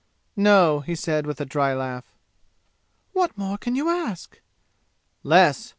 "No," he said, with a dry laugh. "What more can you ask?" "Less!